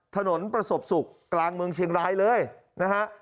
ถนนประสบสุขกลางเมืองเชียงรายเลยนะฮะ